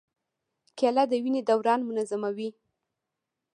کېله د وینې دوران منظموي.